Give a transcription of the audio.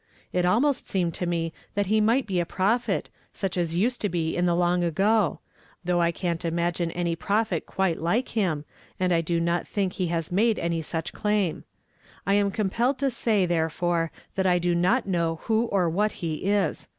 It almost seemed to me that he miglit be a prophet, such as used to be in tlie long ago — though I cannot imagine any propliet (piite like him, and I do not think he has made any such claim. I am compelled to say, the', fore, that I do not know who or what he is.